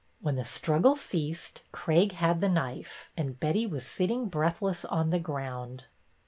When the struggle ceased, Craig had the knife, and Betty was sitting breathless on the ground.